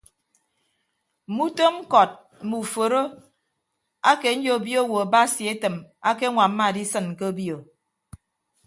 Mme utom ñkọt mme uforo ake nyobio owo basi etịm akeñwamma adisịn ke obio.